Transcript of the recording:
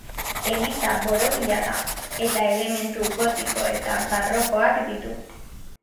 Eliza borobila da eta elementu gotiko eta barrokoak ditu.